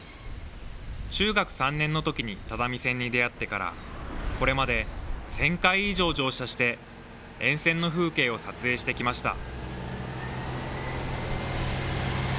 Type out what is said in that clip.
中学３年のときに只見線に出会ってから、これまで１０００回以上乗車して、沿線の風景を撮影してきました。